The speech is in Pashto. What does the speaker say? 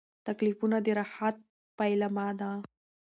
تکلیفونه د راحت پیلامه ده.